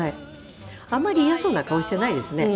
あんまり嫌そうな顔していないですね。